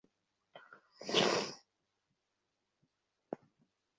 এই কারণেই মৌলিক বৌদ্ধধর্ম জনগণের চিত্তকে বেশীদিন ধরিয়া রাখিতে পারে নাই।